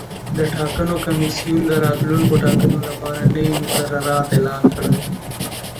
د ټاکنو کمیسیون د راتلونکو ټاکنو لپاره نوي مقررات اعلان کړل.